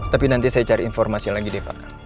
tapi nanti saya cari informasi lagi deh pak